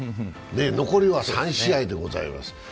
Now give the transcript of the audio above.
残りは３試合でございます。